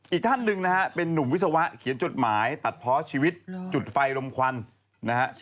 อีกท่านหนึ่งนะฮะเป็นนุ่มวิศวะเขียนจดหมายตัดเพาะชีวิตจุดไฟลมควันนะฮะ